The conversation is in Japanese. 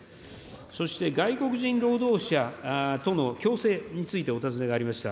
そして、外国人労働者との共生についてお尋ねがありました。